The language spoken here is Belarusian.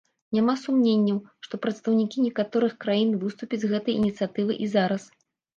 Няма сумненняў, што прадстаўнікі некаторых краін выступяць з гэтай ініцыятывай і зараз.